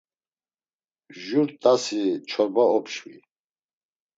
Jur t̆asi çorba opşvi.